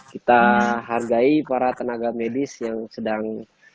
kita hargai para tenaga medis yang sedang